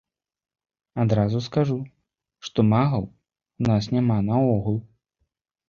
Адразу скажу, што магаў у нас няма наогул.